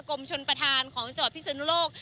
กลุ่มชนประธานของจวบพิศนโลก